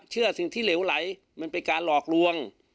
เชื่อสิ่งที่เหลวไหลมันเป็นการหลอกลวง